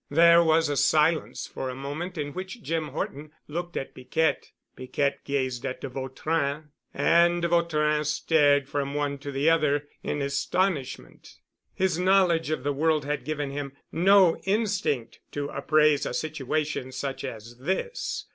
There was a silence for a moment in which Jim Horton looked at Piquette, Piquette gazed at de Vautrin and de Vautrin stared from one to the other in astonishment. His knowledge of the world had given him no instinct to appraise a situation such as this.